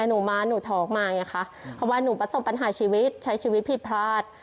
หนูมาหนูท้องมาไงคะเพราะว่าหนูประสบปัญหาชีวิตใช้ชีวิตผิดพลาด